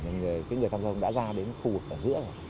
thì người tham gia hông đã ra đến khu ở giữa rồi